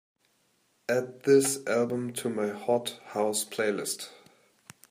Add this album to my hot house playlist